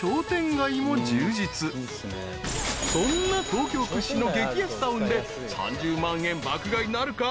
［そんな東京屈指の激安タウンで３０万円爆買いなるか？］